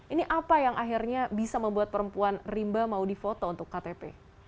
ini apa yang akhirnya bisa membuat perempuan rimba mau difoto untuk ktp